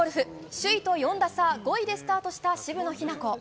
首位と４打差５位でスタートした渋野日向子。